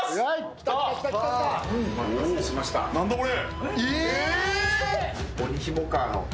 何だ、これ？